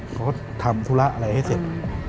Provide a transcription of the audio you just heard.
เขาก็ทำธุระอะไรให้เสร็จ